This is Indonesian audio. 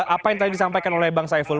apa yang tadi disampaikan oleh bang saiful